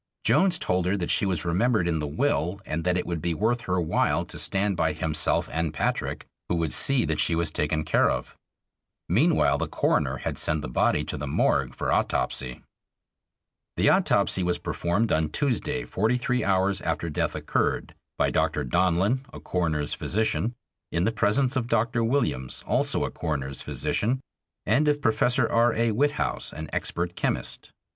Jones told her that she was remembered in the will and that it would be worth her while to stand by himself and Patrick, who would see that she was taken care of. Meanwhile the coroner had sent the body to the morgue for autopsy. The autopsy was performed on Tuesday, forty three hours after death occurred, by Dr. Donlin, a coroner's physician, in the presence of Dr. Williams, also a coroner's physician, and of Professor R. A. Witthaus, an expert chemist.